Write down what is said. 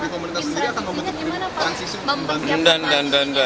pemerintah sendiri akan mempersiapkan transisi